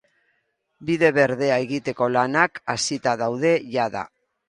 Bide berdea egiteko lanak hasita daude jada.